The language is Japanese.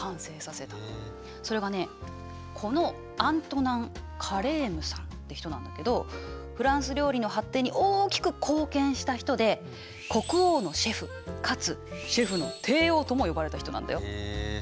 それがこのアントナン・カレームさんって人なんだけどフランス料理の発展に大きく貢献した人で国王のシェフかつシェフの帝王とも呼ばれた人なんだよ。へえ。